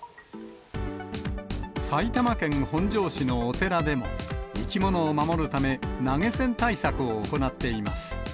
埼玉県本庄市のお寺でも、生き物を守るため、投げ銭対策を行っています。